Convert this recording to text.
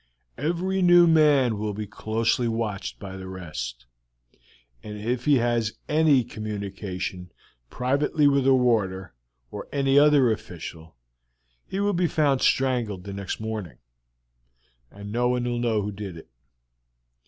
"Every new man will be closely watched by the rest, and if he has any communication privately with a warder or any other official he will be found strangled the next morning; no one will know who did it.